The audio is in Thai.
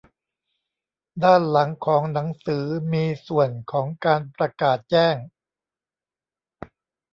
ด้านหลังของหนังสือมีส่วนของการประกาศแจ้ง